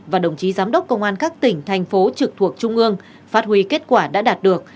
và đồng chí giám đốc công an các tỉnh thành phố trực thuộc trung ương phát huy kết quả đã đạt được